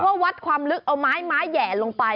เพราะวัดความลึกเอาไม้แห่งลงไป